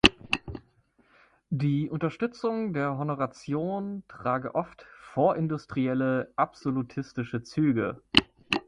Die Unterstützung der Honoratioren trage oft „vorindustrielle, absolutistische Züge“.